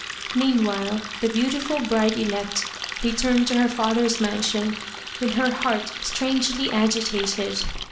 Meanwhile, the beautiful bride elect returned to her father's mansion with her heart strangely agitated.